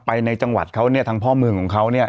ในจังหวัดเขาเนี่ยทางพ่อเมืองของเขาเนี่ย